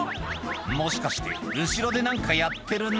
「もしかして後ろで何かやってるな？」